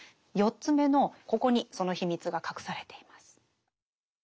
４つ目のここにその秘密が隠されています。